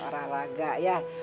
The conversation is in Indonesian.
harus olahraga ya